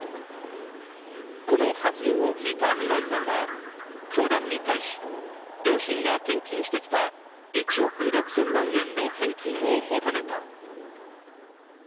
この発言を聞いたみらいさんは、教団に対し、両親が献金してきた１億６０００万円の返金を求めた。